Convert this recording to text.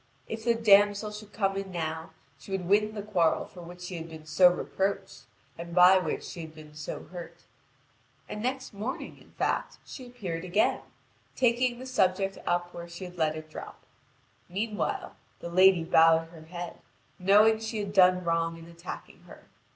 If the damsel should come in now, she would win the quarrel for which she had been so reproached, and by which she had been so hurt. And next morning, in fact, she appeared again, taking the subject up where she had let it drop. Meanwhile, the lady bowed her head, knowing she had done wrong in attacking her.